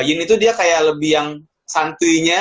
yin itu dia kayak lebih yang santuinya